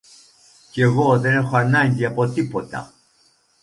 κι εγώ δεν έχω ανάγκη από τίποτα.